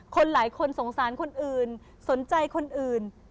หลายคนสงสารคนอื่นสนใจคนอื่น